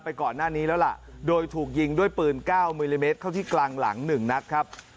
ก่อนหน้านี้แล้วล่ะโดยถูกยิงด้วยปืน๙มิลลิเมตรเข้าที่กลางหลัง๑นัดครับ